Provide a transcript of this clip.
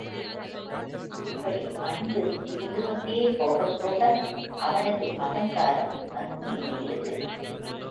இப்படி அன்பு விரிந்துகொண்டே போகப் போக அவனது அகங்காரம் மங்கிவிடுகிறது.